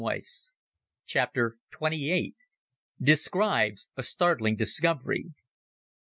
what's that?" CHAPTER TWENTY EIGHT. DESCRIBES A STARTLING DISCOVERY.